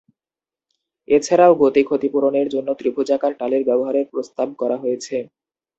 এছাড়াও, গতি ক্ষতিপূরণের জন্য ত্রিভুজাকার টালির ব্যবহারের প্রস্তাব করা হয়েছে।